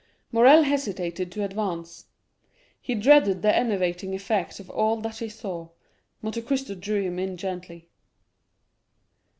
Morrel hesitated to advance; he dreaded the enervating effect of all that he saw. Monte Cristo drew him in gently.